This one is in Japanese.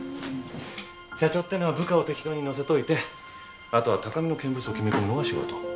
社長ってのは部下を適当に乗せといて後は高みの見物を決め込むのが仕事。